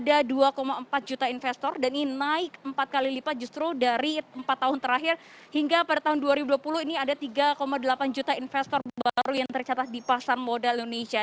dan juga mengalami kenaikan yang cukup tinggi dibandingkan dengan tahun sebelumnya di mana pada tahun dua ribu sembilan belas ada dua empat juta investor dan ini naik empat kali lipat justru dari empat tahun terakhir hingga pada tahun dua ribu dua puluh ini ada tiga delapan juta investor baru yang tercatat di pasar modal indonesia